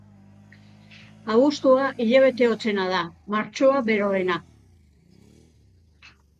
Abuztua hilabete hotzena da, martxoa beroena.